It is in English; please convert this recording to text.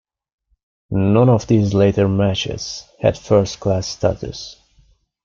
None of these later matches had first-class status.